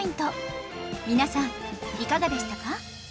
皆さんいかがでしたか？